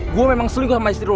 gue memang selingkuh sama istri lu